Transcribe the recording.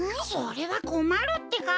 それはこまるってか。